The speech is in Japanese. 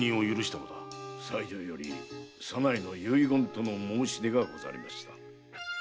妻女より左内の遺言との申し出がございました。